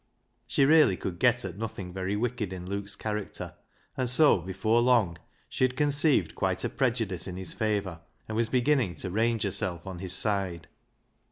She really could get at nothing very wicked in Luke's character, and LEAH'S LOVER 77 so before long she had conceived quite a prejudice in his favour, and was beginning to range herself on his side.